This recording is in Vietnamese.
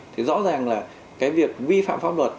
thì rõ ràng là cái việc vi phạm pháp luật